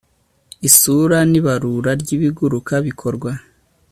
isura n ibarura ry ibiguruka bikorwa